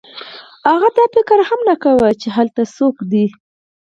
هغه دا فکر هم نه کاوه چې هلته څوک دی